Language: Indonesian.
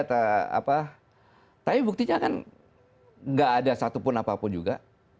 tapi buktinya kan nggak ada satupun apapun juga